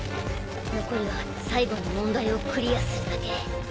残りは最後の問題をクリアするだけ。